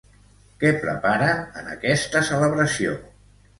Què preparen en aquesta celebració?